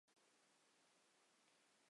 如今的云南驿机场实为原北屯机场。